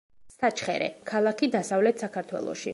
საჩხერე, ქალაქი დასავლეთ საქართველოში.